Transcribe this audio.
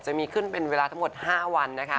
จะขึ้นเป็นเวลาทั้งหมด๕วัน